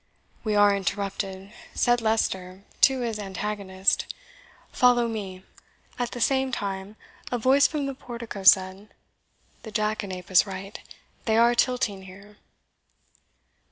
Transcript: "We are interrupted," said Leicester to his antagonist; "follow me." At the same time a voice from the portico said, "The jackanape is right they are tilting here."